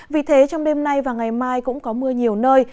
vì thế trong đêm nay và ngày mai cũng có mưa nhiều nơi